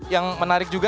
yang menariknya adalah